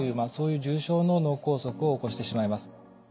あそういう重症の脳梗塞を起こしてしまいます。